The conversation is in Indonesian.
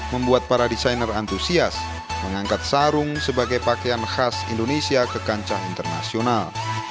membuat para desainer antusias mengangkat sarung sebagai pakaian khas indonesia ke kancah internasional